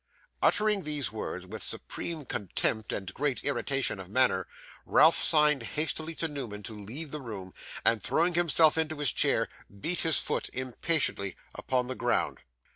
Uttering these words with supreme contempt and great irritation of manner, Ralph signed hastily to Newman to leave the room; and throwing himself into his chair, beat his foot impatiently upon the ground.